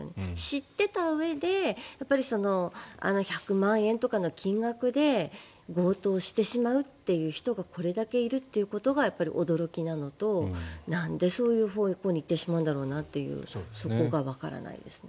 知っていたうえで１００万円とかの金額で強盗してしまう人がこれだけいるということが驚きなのとなんでそういう方向へ行ってしまうんだろうなというそこがわからないですね。